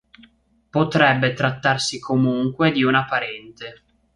Potrebbe trattarsi comunque di una parente.